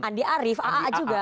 andi arief aa juga